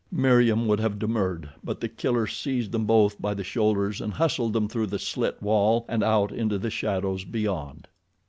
Meriem would have demurred, but The Killer seized them both by the shoulders and hustled them through the slit wall and out into the shadows beyond.